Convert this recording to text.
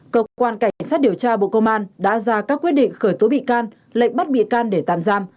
cơ quan cảnh sát điều tra bộ công an đã ra các quyết định khởi tố bị can lệnh bắt bị can để tạm giam